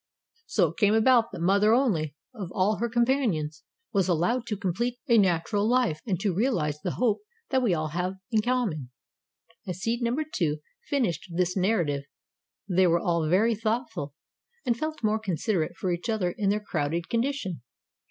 "So it came about that mother only, of all her companions, was allowed to complete a natural life and to realize the hope that we all have in common." As seed number Two finished this narrative they were all very thoughtful and felt more considerate for each other in their crowded condition.